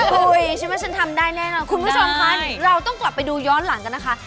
คุยใช่ไหมฉันทำได้แน่นอนคุณผู้ชมคะเราต้องกลับไปดูย้อนหลังกันนะคะ